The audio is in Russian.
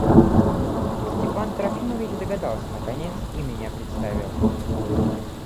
Степан Трофимович догадался наконец и меня представил.